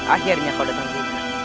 akhirnya kau datang ke rumah